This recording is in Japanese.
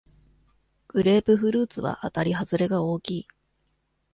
グレープフルーツはあたりはずれが大きい